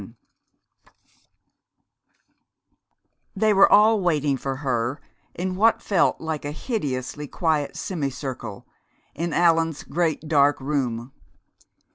VII They were all waiting for her, in what felt like a hideously quiet semicircle, in Allan's great dark room.